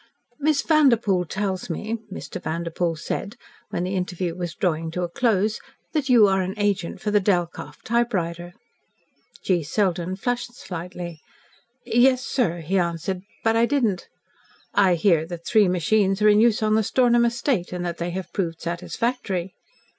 "Miss Vanderpoel tells me," Mr. Vanderpoel said, when the interview was drawing to a close, "that you are an agent for the Delkoff typewriter." G. Selden flushed slightly. "Yes, sir," he answered, "but I didn't " "I hear that three machines are in use on the Stornham estate, and that they have proved satisfactory."